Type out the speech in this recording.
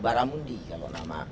baramundi kalau nama